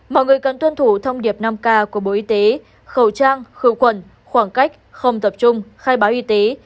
mọi người cần tuân thủ thông điệp năm k của bộ y tế khẩu trang khử khuẩn khoảng cách không tập trung khai báo y tế